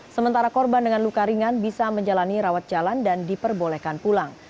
sementara korban dengan luka ringan bisa menjalani rawat jalan dan diperbolehkan pulang